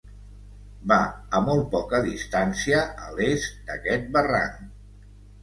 Va a molt poca distància a l'est d'aquest barranc.